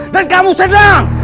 dan kamu senang